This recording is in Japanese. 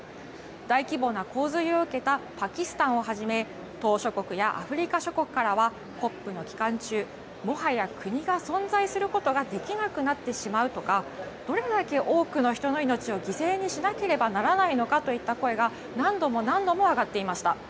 大規模な洪水を受けたパキスタンをはじめ島しょ国やアフリカ諸国からはＣＯＰの期間中、もはや国が存在することができなくなってしまうとかどれだけ多くの人の命を犠牲にしなければならないのかといった声が何度も何度も上がっていました。